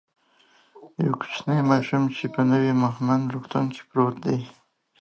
یو کوچنی ماشوم چی په نوی مهمند روغتون کی پروت دی